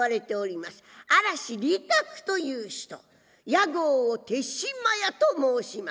屋号を豊島屋と申します。